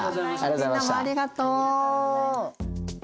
みんなもありがとう。